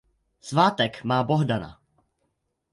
Svátek má Bohdana.